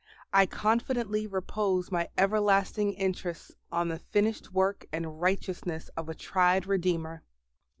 I confidently repose my everlasting interests on the finished work and righteousness of a tried Redeemer.